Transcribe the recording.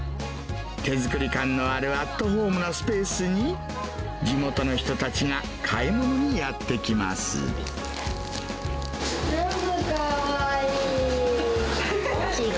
手作り感のあるアットホームなスペースに、地元の人たちが買い物全部かわいい。